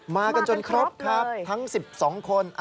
มากันจนครบครับทั้ง๑๒คน